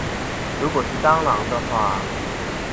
如果是蟑螂的話